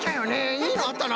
いいのあったな。